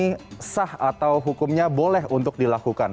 ini sah atau hukumnya boleh untuk dilakukan